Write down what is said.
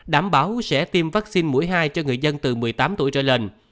đảm bảo sẽ tiêm vaccine mũi hai cho người dân từ một mươi tám tuổi trở lên